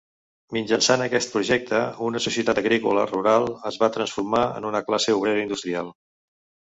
Mitjançant aquest projecte, una societat agrícola rural es va transformar en una classe obrera industrial.